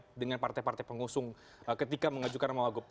atau mungkin partai partai pengusung ketika mengajukan nama wagub